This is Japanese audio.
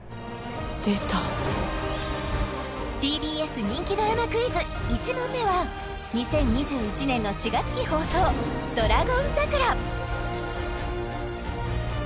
出たＴＢＳ人気ドラマクイズ１問目は２０２１年の４月期放送「ドラゴン桜」